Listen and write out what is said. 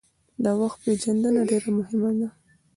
د وخت پېژندنه ډیره مهمه ده.